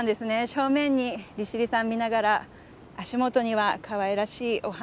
正面に利尻山見ながら足元にはかわいらしいお花。